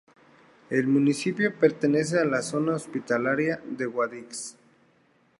El municipio pertenece a la Zona hospitalaria de Guadix.